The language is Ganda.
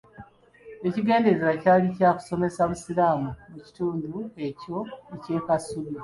Ekigendererwa kyali kya kusomesa busiraamu mu kitundu ekyo eky'e Kasubi.